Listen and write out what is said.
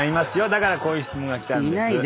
だからこういう質問が来たんです。